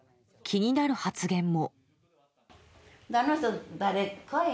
一方、気になる発言も。